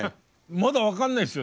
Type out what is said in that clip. まだ分かんないっすよ。